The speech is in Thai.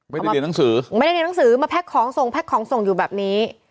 ไม่ได้เรียนหนังสือไม่ได้เรียนหนังสือมาแก๊กของส่งแพ็คของส่งอยู่แบบนี้